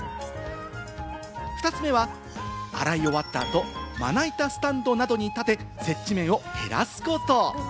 ２つ目は洗い終わった後、まな板スタンドなどに立て、接地面を減らすこと。